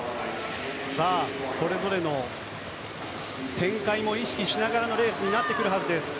それぞれの展開も意識しながらのレースになってくるはずです。